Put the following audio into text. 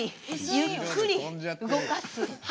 「ゆっくり動かす？」